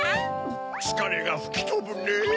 つかれがふきとぶねぇ。